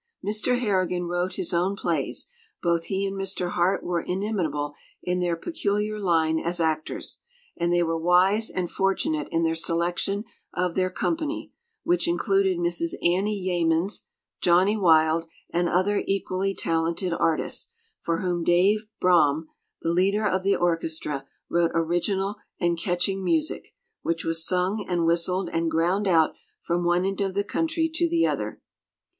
Mr. Harrigan wrote his own plays; both he and Mr. Hart were inimitable in their peculiar line as actors, and they were wise and fortunate in their selection of their company, which included Mrs. Annie Yeamans, "Johnny" Wild, and other equally talented artists, for whom "Dave" Braham, the leader of the orchestra, wrote original and catching music, which was sung and whistled and ground out from one end of the country to the other.